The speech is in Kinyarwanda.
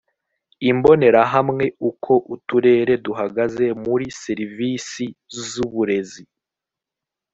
imbonerahamwe uko uturere duhagaze muri serivisi z uburezi